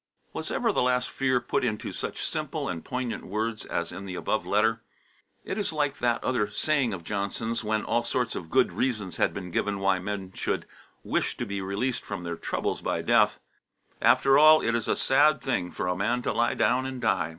Was ever the last fear put into such simple and poignant words as in the above letter? It is like that other saying of Johnson's, when all sorts of good reasons had been given why men should wish to be released from their troubles by death, "After all, it is a sad thing for a man to lie down and die."